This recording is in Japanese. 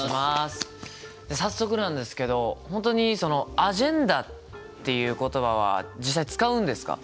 早速なんですけどホントに「アジェンダ」っていう言葉は実際使うんですか？